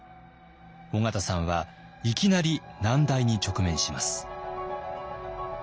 緒方さんはいきなり難題に直面します。